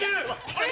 あれ？